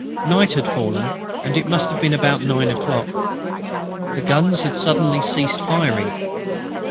Night had fallen, and it must have been about nine o'clock. The guns had suddenly ceased firing.